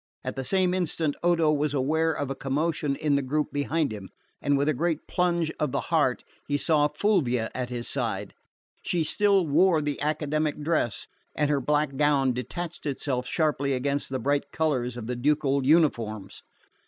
At the same instant Odo was aware of a commotion in the group behind him, and with a great plunge of the heart he saw Fulvia at his side. She still wore the academic dress, and her black gown detached itself sharply against the bright colours of the ducal uniforms.